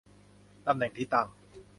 ตำแหน่งที่ตั้ง